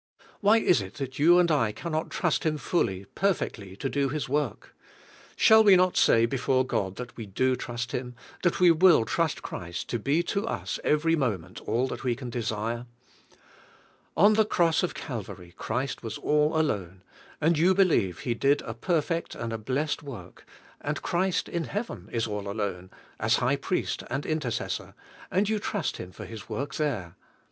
why is it that you and I can not trust Him fully, perfectl}^ to do His work? Shall we not say be fore God that we do trust Him, that we will trust Christ to be to us every moment all that we can desire? On the Cross of Calvary Christ was all alone, and you believe He did a perfect and a blessed work; and Christ in Heaven is all alone, as high priest and intercessor, and you trust Him for His work there.